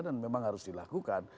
dan memang harus dilakukan